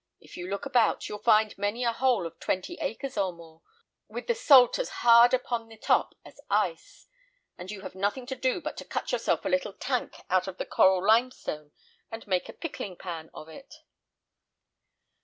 If you look about, you'll find many a hole of twenty acres or more, with the salt as hard upon the top as ice. And you have nothing to do but to cut yourself a little tank out of the coral limestone, and make a pickling pan of it."